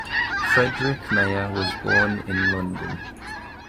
Frederick Meyer was born in London.